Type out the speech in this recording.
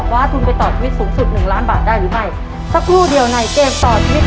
ทุนไปต่อชีวิตสูงสุดหนึ่งล้านบาทได้หรือไม่สักครู่เดียวในเกมต่อชีวิต